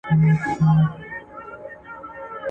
ولي کوښښ کوونکی د مخکښ سړي په پرتله خنډونه ماتوي؟